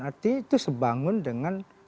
artinya itu sebangun dengan